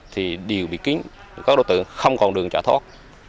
thì đều bị kín các đối tượng không còn đường trả thoát